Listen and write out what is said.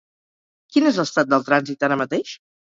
Quin és l'estat del trànsit ara mateix?